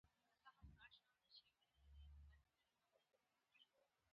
تاته خپل کوچنی زوی او ورور یادیږي